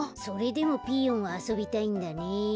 それでもピーヨンはあそびたいんだね。